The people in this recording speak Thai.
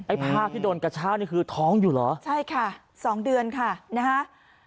ภาพที่โดนกระชากนี่คือท้องอยู่เหรอใช่ค่ะสองเดือนค่ะนะฮะ